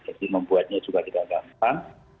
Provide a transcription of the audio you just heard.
jadi membuatnya juga tidak gampang